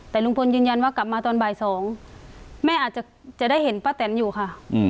แต่ลุงพลยืนยันว่ากลับมาตอนบ่าย๒แม่อาจจะได้เห็นป้าแตนอยู่ค่ะ